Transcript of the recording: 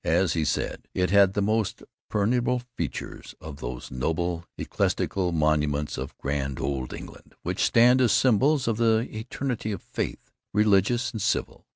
As he said, it had the "most perdurable features of those noble ecclesiastical monuments of grand Old England which stand as symbols of the eternity of faith, religious and civil."